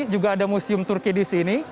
juga ada museum turki disini